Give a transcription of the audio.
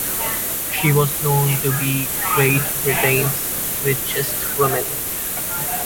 She was known to be Great Britain’s richest woman.